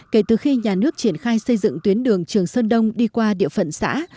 kể từ khi nhà nước triển khai xây dựng tuyến đường trường sơn đông đi qua địa phận xã